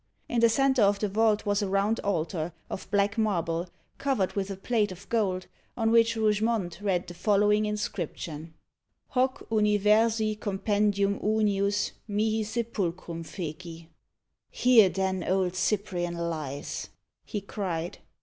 In the centre of the vault was a round altar, of black marble, covered with a plate of gold, on which Rougemont read the following inscription: "Hoc universi compendium unius mihi sepulcrum feci." "Here, then, old Cyprian lies," he cried.